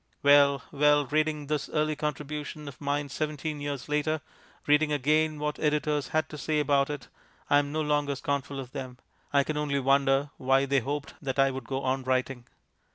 Well, well! Reading this early contribution of mine seventeen years later, reading again what editors had to say about it, I am no longer scornful of them. I can only wonder why they hoped that I would go on writing.